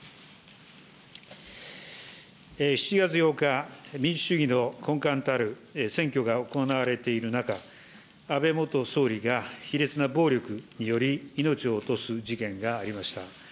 ７月８日、民主主義の根幹たる選挙が行われている中、安倍元総理が卑劣な暴力により、命を落とす事件がありました。